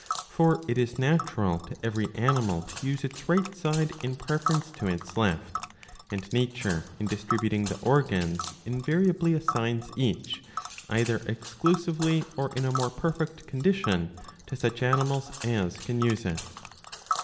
''^ For it is natural^ to every animal to use its right side in preference to its left ; and nature, in dis tributing the organs, invariably assigns each, either exclusively or in a more perfect condition, to such animals as can use it.